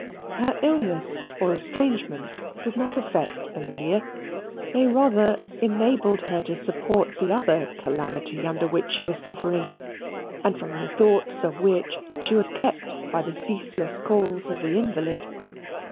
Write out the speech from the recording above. Her illness or estrangement did not affect Amelia. They rather enabled her to support the other calamity under which she was suffering, and from the thoughts of which she was kept by the ceaseless calls of the invalid.